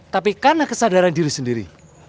tapi karena kesadaran diri sendiri